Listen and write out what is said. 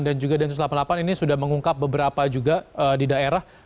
dan juga densus delapan puluh delapan ini sudah mengungkap beberapa juga di daerah